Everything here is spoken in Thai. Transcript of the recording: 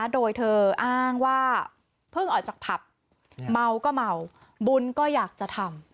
โดยเธออ้างว่าเพิ่งออกจากผับเมาก็เมาบุญก็อยากจะทำ